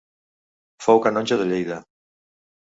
Fou canonge de Lleida.